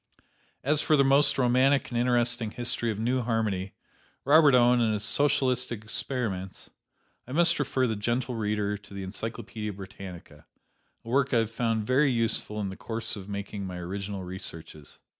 As for the most romantic and interesting history of New Harmony, Robert Owen and his socialistic experiments, I must refer the gentle reader to the Encyclopedia Britannica, a work I have found very useful in the course of making my original researches.